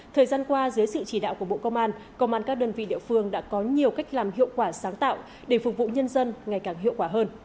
thời gian qua dưới sự chỉ đạo của bộ công an công an các đơn vị địa phương đã có nhiều cách làm hiệu quả sáng tạo để phục vụ nhân dân ngày càng hiệu quả hơn